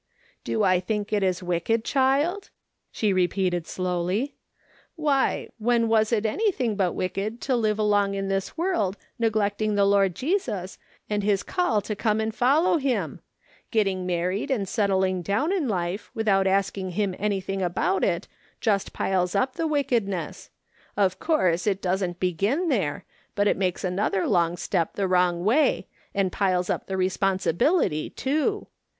"Do I think it is wicked, child ?" she repeated slowly. " Why, when was it anything but wicked to live along in this world neglecting the Lord Jesus, and his call to come and follow him ? Getting married and settling down in life, without asking him anything about it, just piles up the wickedness ; of course it doesn't begin there, but it makes another long step the wrong way, and piles up the responsi bility, too.